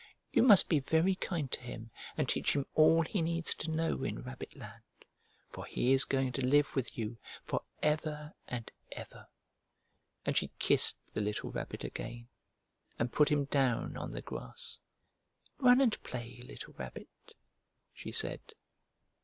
"You must be very kind to him and teach him all he needs to know in Rabbit land, for he is going to live with you for ever and ever!" And she kissed the little Rabbit again and put him down on the grass. "Run and play, little Rabbit!" she said.